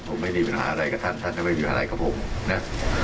ผมไม่มีปัญหาอะไรกับท่านท่านจะไม่มีอะไรกับผมนะ